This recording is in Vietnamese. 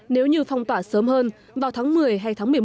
nếu như phong tỏa sớm hơn vào tháng một mươi hay tháng một mươi một